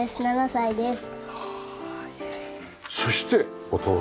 ６歳です。